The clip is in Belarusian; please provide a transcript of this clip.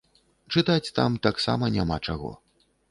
Чытаць там таксама няма чаго.